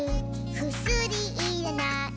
「くすりいらない」